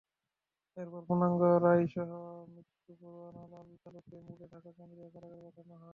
এরপর পূর্ণাঙ্গ রায়সহ মৃত্যু পরোয়ানা লালসালুতে মুড়ে ঢাকা কেন্দ্রীয় কারাগারে পাঠানো হয়।